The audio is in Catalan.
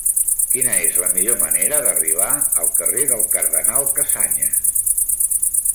Quina és la millor manera d'arribar al carrer del Cardenal Casañas?